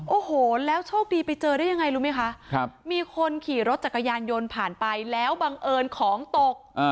โอ้โหแล้วโชคดีไปเจอได้ยังไงรู้ไหมคะมีคนขี่รถจักรยานยนต์ผ่านไปแล้วบังเอิญของตก